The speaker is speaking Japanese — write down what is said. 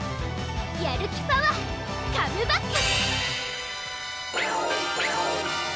やるきパワーカムバック！